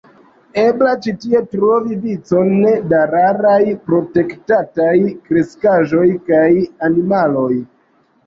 Ebla ĉi tie trovi vicon da raraj protektitaj kreskaĵoj kaj animaloj.